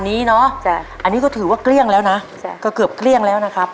นี่คือตัวอย่างนะป้านะก็จะประมาณนี้เนอะอันนี้ก็ถือว่าเกลี้ยงแล้วนะก็เกือบเกลี้ยงแล้วนะครับ